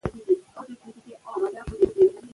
که ماشوم ته سمه روزنه ورکړو، نو هغه به درست شي.